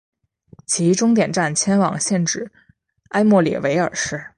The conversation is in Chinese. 其终点站迁往现址埃默里维尔市。